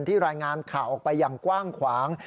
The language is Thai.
รายงานข่าวออกไปอย่างกว้างขวาง